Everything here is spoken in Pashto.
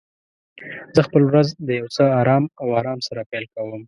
زه خپل ورځ د یو څه آرام او آرام سره پیل کوم.